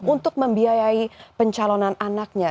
untuk membiayai pencalonan anaknya